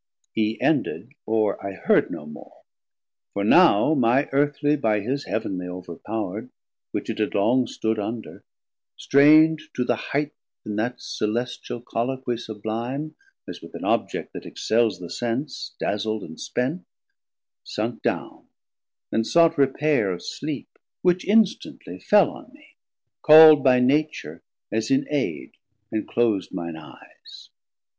Hee ended, or I heard no more, for now My earthly by his Heav'nly overpowerd, Which it had long stood under, streind to the highth In that celestial Colloquie sublime, As with an object that excels the sense, Dazl'd and spent, sunk down, and sought repair Of sleep, which instantly fell on me, call'd By Nature as in aide, and clos'd mine eyes.